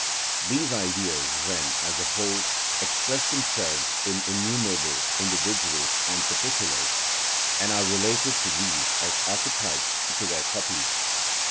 These Ideas, then, as a whole express themselves in innumerable individuals and particulars, and are related to these as archetypes to their copies.